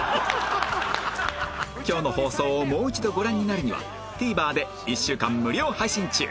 今日の放送をもう一度ご覧になるには ＴＶｅｒ で１週間無料配信中